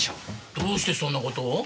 どうしてそんな事を？